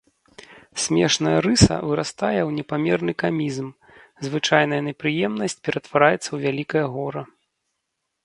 Смешная рыса вырастае ў непамерны камізм, звычайная непрыемнасць ператвараецца ў вялікае гора.